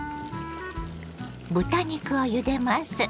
豚肉をゆでます。